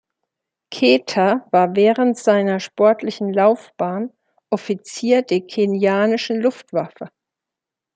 Keter war während seiner sportlichen Laufbahn Offizier der kenianischen Luftwaffe.